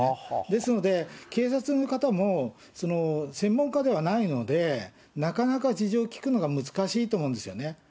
ですので、警察の方も、専門家ではないので、なかなか事情聴くのが難しいと思うんですよね。